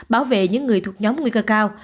bảo vệ những người thuộc nhóm nguy cơ cao